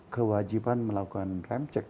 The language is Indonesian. kewajiban melakukan rem cek